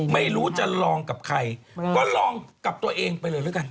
ไม่รู้จะลองกับใครก็ลองกับตัวเองไปเลยแล้วกัน